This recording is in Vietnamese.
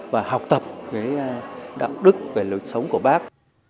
và học tập cái đạo đức về lối sống của bác